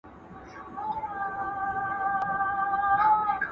ده د سنتو په جامه کې په ما دوکه وکړه.